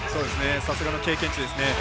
さすがの経験値ですね。